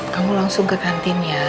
kamu langsung ke kantin ya